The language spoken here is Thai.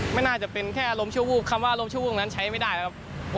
ไม่น่าจะเป็นแค่อารมณ์ชั่ววูบคำว่าอารมณ์ชั่ววูบนั้นใช้ไม่ได้แล้วครับ